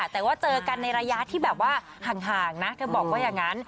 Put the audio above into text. แต่ว่าเจอกันในระยะที่แบบว่าห่างนะเธอบอกว่าอย่างนั้น